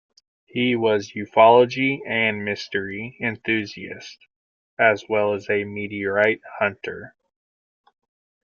He was ufology and mystery enthusiast, as well as meteorite hunter.